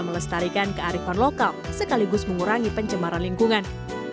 melestarikan kearifan lokal sekaligus mengurangi pencemaran lingkungan